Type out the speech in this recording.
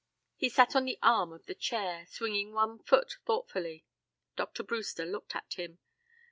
He sat on the arm of the chair, swinging one foot thoughtfully. Dr. Brewster looked at him.